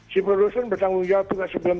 si produsen bertanggung jawab juga sebelum